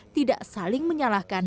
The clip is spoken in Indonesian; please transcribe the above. tidak saling menyalahkan